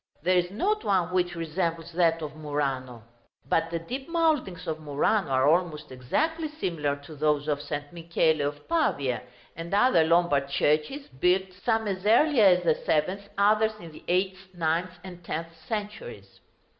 There is not one which resembles that of Murano. But the deep mouldings of Murano are almost exactly similar to those of St. Michele of Pavia, and other Lombard churches built, some as early as the seventh, others in the eighth, ninth, and tenth centuries.